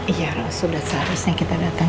iya ros sudah seharusnya kita datang